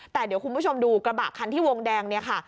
แต่เดี๋ยวคุณผู้ชมดูกระบะคันที่วงแดงเนี่ยค่ะ